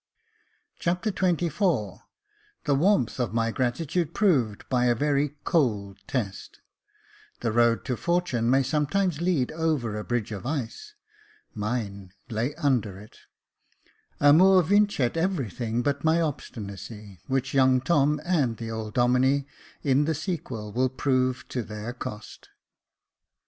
Chapter XXIV The warmth of my gratitude proved by a very cold test — The road to fortune may sometimes lead over a bridge of ice — Mine lay under it — Amor Vincet everything but my obstinacy, which young Tom and the old Domine in the sequel will prove to their cost.